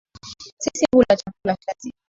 Sisi hula chakula kila siku